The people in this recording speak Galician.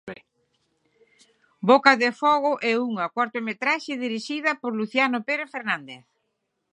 Boca de Fogo é unha curtametraxe dirixida por Luciano Pérez Fernández.